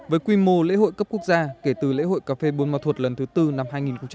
với quy mô lễ hội cấp quốc gia kể từ lễ hội cà phê buôn ma thuột lần thứ tư năm hai nghìn một mươi chín